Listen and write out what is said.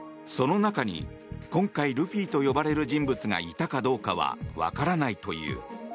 その中に、今回ルフィと呼ばれる人物がいたかどうかはわからないという。